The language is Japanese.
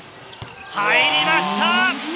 入りました！